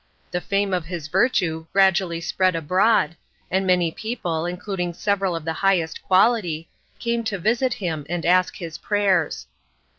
The fame of his virtue gradually spread abroad, and many people, including several of the highest quality, came to visit him and ask his prayers.